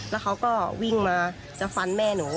แล้วเขาก็วิ่งมาจะฟันแม่หนู